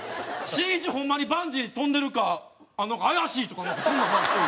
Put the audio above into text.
「しんいちホンマにバンジー飛んでるか怪しい」とかなんかそんなんばっかり。